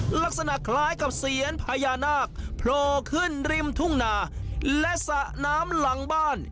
ลักษณะคล้ายกับเซียนพญานาคโผล่ขึ้นริมทุ่งนาและสระน้ำหลังบ้าน